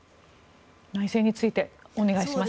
内政についてお願いします。